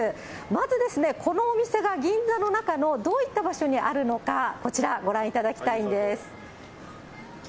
まずですね、このお店が銀座の中のどういった場所にあるのか、こちら、ご覧いただきたいんです。